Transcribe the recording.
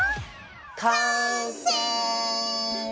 完成！